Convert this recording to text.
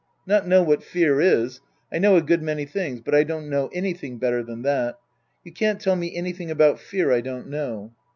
" Not know what fear is ! I know a good many things, but I don't know anything better than that. You can't tell me anything about fear I don't know.